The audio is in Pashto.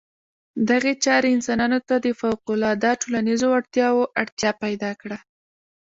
دغې چارې انسانانو ته د فوقالعاده ټولنیزو وړتیاوو اړتیا پیدا کړه.